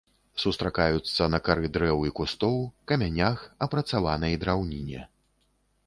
Сустракаюцца на кары дрэў і кустоў, камянях, апрацаванай драўніне.